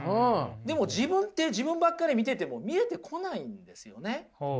でも自分って自分ばっかり見てても見えてこないんですよね。